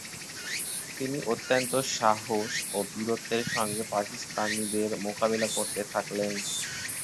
তিনি অত্যন্ত সাহস ও বীরত্বের সঙ্গে পাকিস্তানিদের মোকাবিলা করতে থাকলেন।